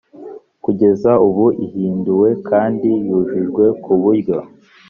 kugeza ubu ihinduwe kandi yujujwe ku buryo